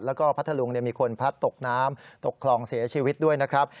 แล้วก็พัทธลุงมีคนพลัดตกน้ำตกคลองเสียชีวิตด้วยนะครับ